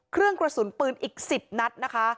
เครื่องกระสุนปืนอีก๑๐นัดนะคะ